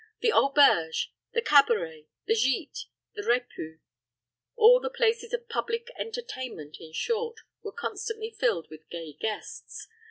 The auberge, the cabaret, the gite, the repue, all the places of public, entertainment, in short, were constantly filled with gay guests.